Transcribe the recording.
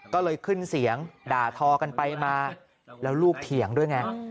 ก็เลยขึ้นเสียงด่าทอกันไปมาแล้วลูกเถียงด้วยไง